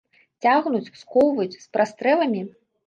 Цягнуць, скоўваюць, з прастрэламі?